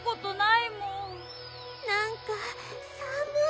なんかさむい。